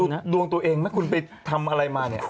ดวงตัวเองนะคุณไปทำอะไรมาเนี่ย